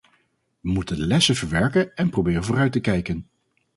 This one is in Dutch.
We moeten de lessen verwerken en proberen vooruit te kijken.